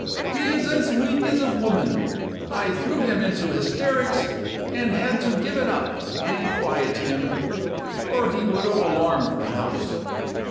He is as weak as a woman; I threw him into hysterics, and had to give it up, and quiet him, or he would have alarmed the house.